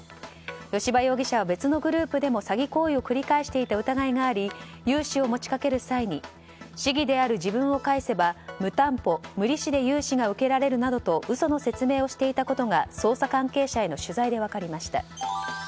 吉羽容疑者は別のグループでも詐欺行為を繰り返していた疑いがあり融資を持ち掛ける際に市議である自分を介せば無担保・無利子で融資が受けられると嘘の説明をしていたことが捜査関係者への取材で分かりました。